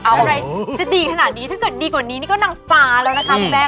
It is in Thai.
เอาอะไรจะดีขนาดนี้ถ้าเกิดดีกว่านี้นี่ก็นางฟ้าแล้วนะคะคุณแม่